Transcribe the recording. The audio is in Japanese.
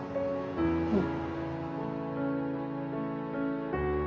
うん。